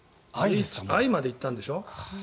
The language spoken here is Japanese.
Ｉまで行ったんでしょ？